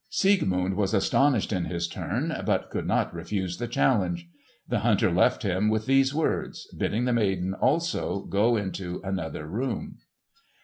Siegmund was astonished in his turn, but could not refuse the challenge. The hunter left him with these words, bidding the maiden also go into another room.